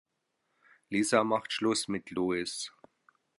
Lisa macht Schluss mit Lewis.